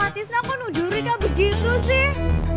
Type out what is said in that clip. papa tisna kok menunjuri gak begitu sih